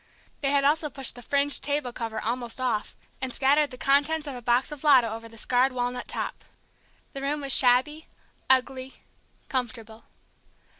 They had also pushed the fringed table cover almost off, and scattered the contents of a box of "Lotto" over the scarred walnut top. The room was shabby, ugly, comfortable.